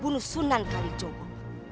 bunuh sunan kalijogo